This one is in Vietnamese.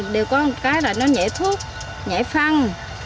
đều có một cái là nó nhẹ thuốc nhẹ phăng